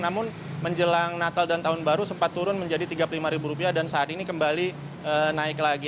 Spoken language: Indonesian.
namun menjelang natal dan tahun baru sempat turun menjadi rp tiga puluh lima dan saat ini kembali naik lagi